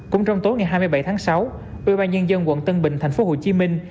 cũng trong tối ngày hai mươi bảy tháng sáu ubnd quận tân bình thành phố hồ chí minh